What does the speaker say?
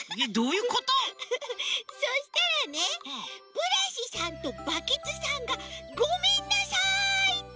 ブラシさんとバケツさんが「ごめんなさい」って。